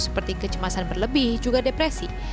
seperti kecemasan berlebih juga depresi